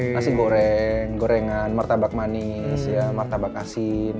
nasi goreng gorengan martabak manis martabak asin